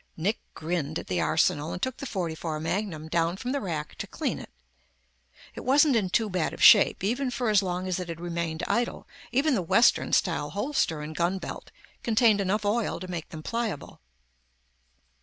Nick grinned at the arsenal and took the .44 magnum down from the rack to clean it. It wasn't in too bad of shape, even for as long as it had remained idle; even the western style holster and gunbelt contained enough oil to make them pliable.